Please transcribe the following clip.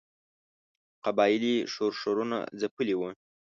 قبایلي ښورښونه ځپلي وه.